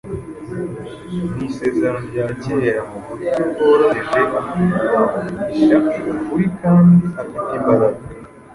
mu Isezerano rya Kera mu buryo bworoheje, avugisha ukuri kandi afite imbaraga.